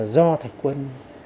do thạch quân